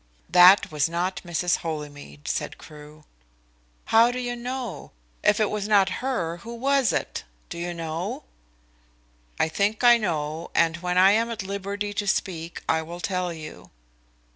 "That was not Mrs. Holymead," said Crewe. "How do you know? If it was not her, who was it? Do you know?" "I think I know, and when I am at liberty to speak I will tell you."